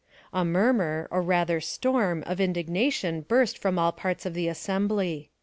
A murmur, or rather storm, of indignation burst from all parts of the assembly.